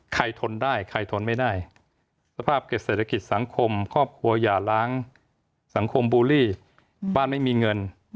ทนได้ใครทนไม่ได้สภาพเกร็ดเศรษฐกิจสังคมครอบครัวอย่าล้างสังคมบูลลี่บ้านไม่มีเงิน